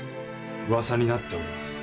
噂になっております。